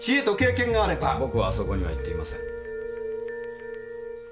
僕はあそこには行っていません。